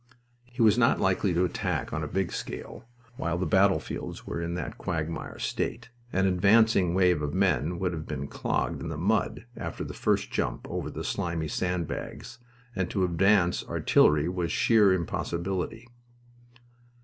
He was not likely to attack on a big scale while the battlefields were in that quagmire state. An advancing wave of men would have been clogged in the mud after the first jump over the slimy sand bags, and to advance artillery was sheer impossibility.